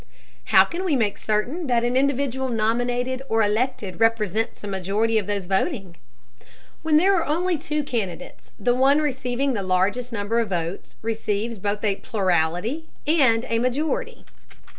How can we make certain that an individual nominated or elected represents a majority of those voting? When there are only two candidates, the one receiving the largest number of votes receives both a plurality and a majority.